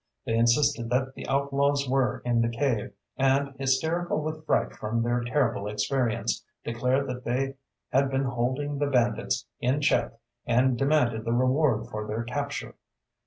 They insisted that the outlaws were in the cave, and hysterical with fright from their terrible experience, declared that they had been holding the bandits in check and demanded the reward for their capture.